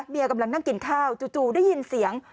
กำลังนั่งกินข้าวจู่ได้ยินเสียง